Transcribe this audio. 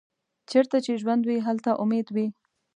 چیرته چې ژوند وي، هلته امید وي.